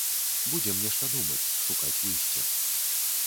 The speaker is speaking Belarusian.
Будзем нешта думаць, шукаць выйсце.